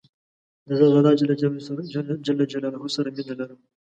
زه د الله ج سره مينه لرم